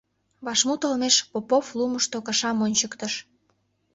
Вашмут олмеш Попов лумышто кышам ончыктыш.